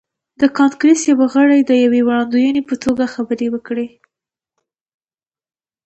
د کانګریس یو غړي د یوې وړاندوینې په توګه خبرې وکړې.